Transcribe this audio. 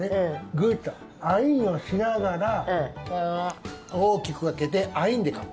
グッとアイーンをしながら大きく開けてアイーンでかむ。